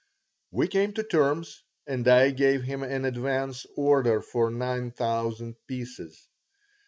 We came to terms, and I gave him an advance order for nine thousand pieces.